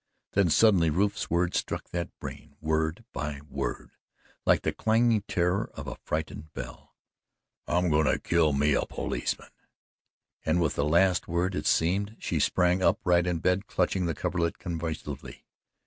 Then suddenly Rufe's words struck that brain, word by word, like the clanging terror of a frightened bell. "I'm goin' to kill me a policeman." And with the last word, it seemed, she sprang upright in bed, clutching the coverlid convulsively.